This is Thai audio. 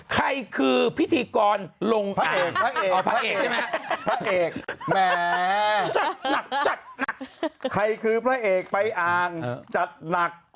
ใครคือพิธีกรลงอ่างเราพื่อพระเอกใช่ไหม